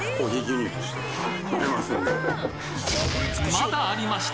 まだありました！